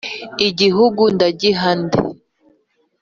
Igihugu ndagiha nde?